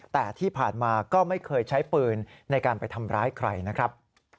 แต่ที่ผ่านมาก็ไม่เคยใช้ปืนในการไปทำร้ายใครนะครับ